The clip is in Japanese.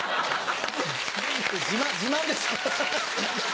自慢ですか。